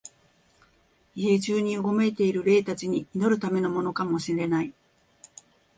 家中にうごめいている霊たちに祈るためのものかも知れない、